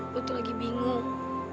gua tuh lagi bingung